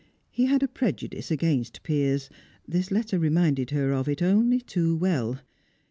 He had a prejudice against Piers this letter reminded her of it only too well.